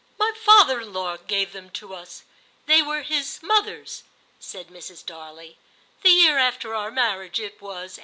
* My father in law gave them to us ; they were his mother's,' said Mrs. Darley ;' the year after our marriage it was, 1817.